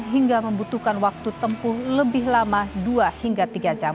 hingga membutuhkan waktu tempuh lebih lama dua hingga tiga jam